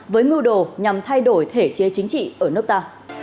với mưu đồ nhằm thay đổi thể chế chính trị ở nước ta